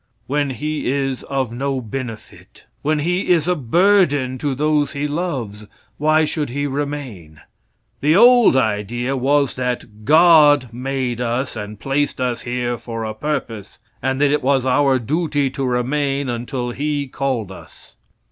When he is of no benefit, when he is a burden to those he loves, why should he remain? The old idea was that "God" made us and placed us here for a purpose, and that it was our duty to remain until He called us.